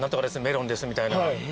メロンですみたいな。